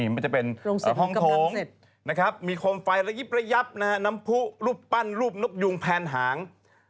มันจะเป็นห้องโถงมีโคมไฟระยิบระยับน้ำผู้รูปปั้นรูปนกยุงแผนหาง